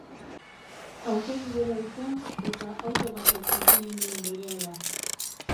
Autobidera irten, eta auto batek jaso ninduen berehala.